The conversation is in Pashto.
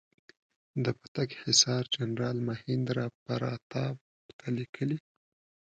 د پتک حصار جنرال مهیندراپراتاپ ته لیکلي.